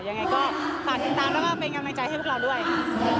ยังไงก็ฝากติดตามแล้วก็เป็นกำลังใจให้พวกเราด้วยค่ะ